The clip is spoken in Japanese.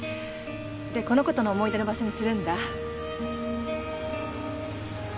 でこの子との思い出の場所にするんだ。